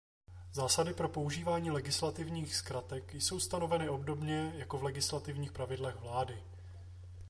Zásady pro používání legislativních zkratek jsou stanoveny obdobně jako v Legislativních pravidlech vlády.